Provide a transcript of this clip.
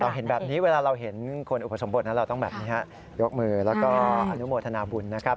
เห็นแบบนี้เวลาเราเห็นคนอุปสมบทนั้นเราต้องแบบนี้ฮะยกมือแล้วก็อนุโมทนาบุญนะครับ